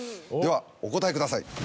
ではお答えください。